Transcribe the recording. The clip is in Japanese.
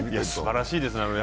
すばらしいですね。